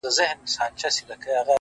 کنې دوى دواړي ويدېږي ورځ تېرېږي؛